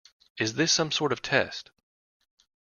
Is this some sort of test?